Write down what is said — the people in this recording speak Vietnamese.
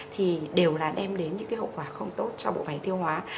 thì đều là đem đến những cái hậu quả không tốt cho bộ vải tiêu hóa